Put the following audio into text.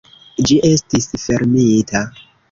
Ĝi estis fermita.